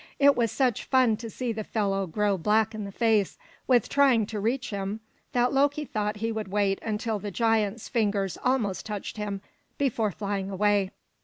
It was such fun to see the fellow grow black in the face with trying to reach him that Loki thought he would wait until the giant's fingers almost touched him, before flying away.